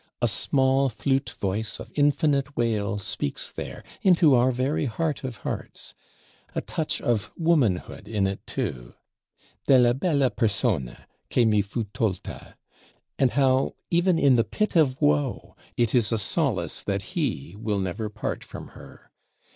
A small flute voice of infinite wail speaks there, into our very heart of hearts. A touch of womanhood in it too: della bella persona, che mi fu tolta; and how, even in the Pit of woe, it is a solace that he will never part from her!